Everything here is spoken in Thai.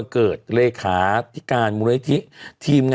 ก็เขาใช่ไหม